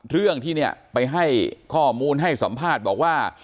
เรื่องที่เนี่ยไปให้ข้อมูลให้สัมภาษณ์บอกว่า